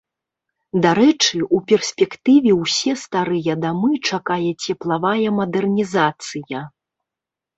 Дарэчы, у перспектыве ўсе старыя дамы чакае цеплавая мадэрнізацыя.